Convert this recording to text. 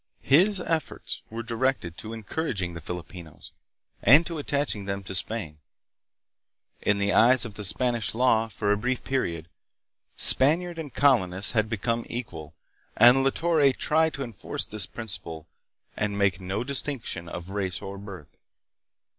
His efforts were directed to encouraging the Filipinos and to attaching them to Spain. In the eyes of the Spanish law, for a brief period, Spaniard and colonists had become equal, and La Torre tried to enforce this principle and make no distinction of race or birth.